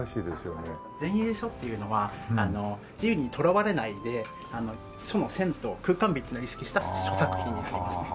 前衛書っていうのは自由にとらわれないで書の線と空間美っていうのを意識した書作品になりますね。